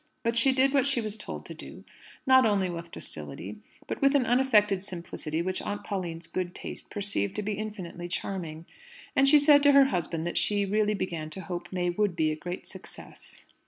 But she did what she was told to do, not only with docility, but with an unaffected simplicity which Aunt Pauline's good taste perceived to be infinitely charming. And she said to her husband that she really began to hope May would be "a great success."